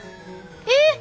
えっ！？